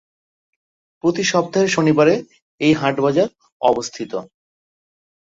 প্রতি সপ্তাহের শনিবারে এই হাট-বাজার অবস্থিত।